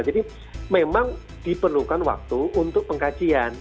jadi memang diperlukan waktu untuk pengkajian